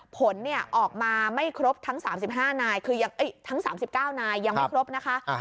ผลออกมาไม่ครบทั้ง๓๙นายยังไม่ครบนะคะ